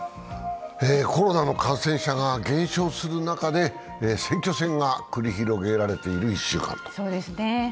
コロナの感染者が減少する中で選挙戦が繰り広げられている１週間。